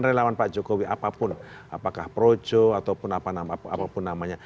relawan pak jokowi apapun apakah projo ataupun apapun namanya